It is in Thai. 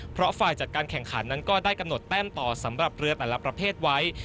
เพราะฝ่ายจัดการแข่งขันนั้นก็ได้กำหนดแต้มต่อสำหรับเรือแต่ละประเภทไว้